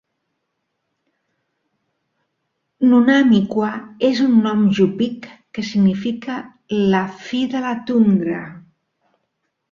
"Nunam Iqua" és un nom Yupik que significa "la fi de la tundra".